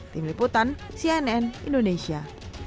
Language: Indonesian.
tim liputan cnn indonesia